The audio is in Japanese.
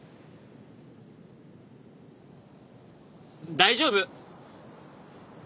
大丈夫！